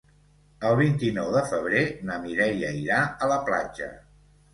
El vint-i-nou de febrer na Mireia irà a la platja.